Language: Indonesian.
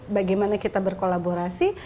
bagaimana kita berkolaborasi